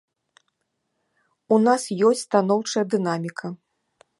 У нас ёсць станоўчая дынаміка.